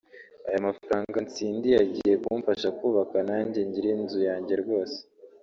aya mafaranga ntsindiye agiye kumfasha kubaka nanjye ngire inzu yanjye rwose